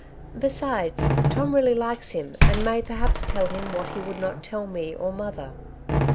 Besides, Tom really likes him, and may perhaps tell him what he would not tell me or mother."